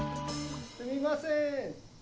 ・すみません！